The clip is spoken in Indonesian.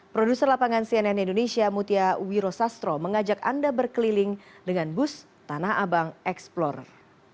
produser lapangan cnn indonesia mutia wiro sastro mengajak anda berkeliling dengan bus tanah abang explorer